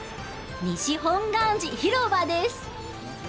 西本願寺広場です